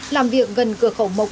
làm việc gần cửa khẩu mộc